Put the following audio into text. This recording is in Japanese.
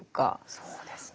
そうですね。